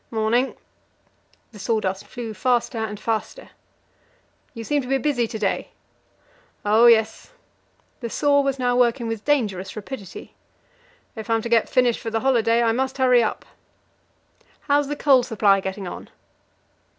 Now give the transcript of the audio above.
"'Morning." The sawdust flew faster and faster. "You seem to be busy to day." "Oh yes!" the saw was now working with dangerous rapidity "if I'm to get finished for the holiday, I must hurry up." How's the coal supply getting on?"